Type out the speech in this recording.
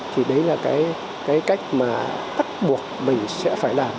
thì đấy là cái cách mà tắt buộc mình sẽ phải làm